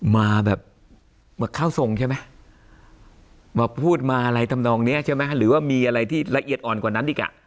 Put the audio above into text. มาแบบมาเข้าทรงใช่ไหมมาพูดมาอะไรทำนองเนี้ยใช่ไหมหรือว่ามีอะไรที่ละเอียดอ่อนกว่านั้นอีกอ่ะ